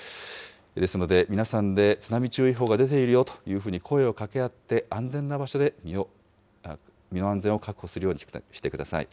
ですので、皆さんで津波注意報が出ているよというふうに声をかけ合って、安全な場所で身の安全を確保するようにしてください。